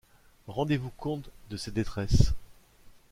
Rendez-vous compte de ces détresses.